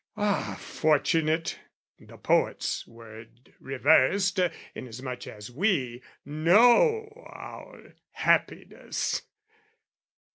Ah, fortunate (the poet's word reversed) Inasmuch as we know our happiness!